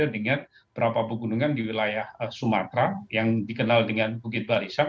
dengan berapa pegunungan di wilayah sumatera yang dikenal dengan bukit barisan